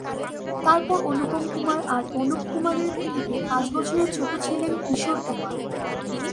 তারপর অনুপ কুমার আর অনুপ কুমারের থেকে পাঁচ বছরের ছোট ছিলেন কিশোর কুমার।